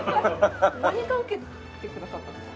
何科を受けてくださったんですか？